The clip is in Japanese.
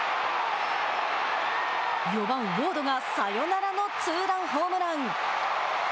４番ウォードがサヨナラのツーランホームラン。